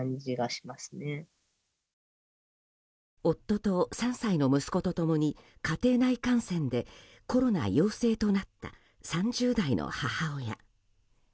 夫と３歳の息子と共に家庭内感染でコロナ陽性となった３０代の母親。